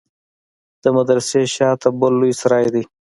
د مدرسې شا ته بل لوى سراى دى.